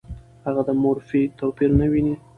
هغه د مورفي توپیر نه ویني.